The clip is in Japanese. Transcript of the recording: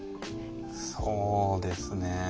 そうですね。